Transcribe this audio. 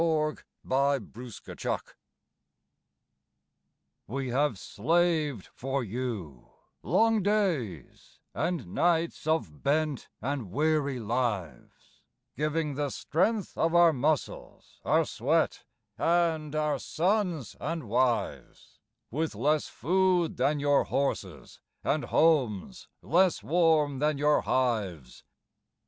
The Labourers' Hymn We have slaved for you long days and nights of bent and weary lives; Giving the strength of our muscles, our sweat, and our sons and wives; With less food than your horses, and homes less warm than your hives.